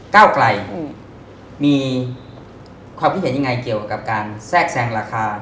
เก้าไกลมีความคิดเห็นยังไงเกี่ยวกับการแทรกแซงราคา